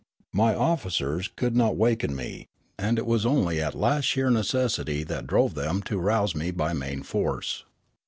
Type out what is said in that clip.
My officers could not waken me, and it was only at last sheer necessity that drove them to rouse me by main force.